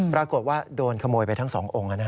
ปรากฏว่าโดนขโมยไปทั้ง๒องค์